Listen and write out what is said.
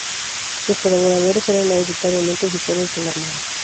Sus colaboradores eran mayoritariamente oficiales de la Armada.